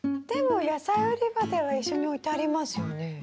でも野菜売り場では一緒に置いてありますよね。